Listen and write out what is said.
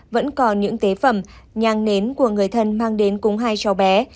vẫn còn những tế phẩm nhang nến của người thân mang đến cúng hai chó bé